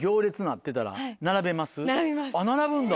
あっ並ぶんだ。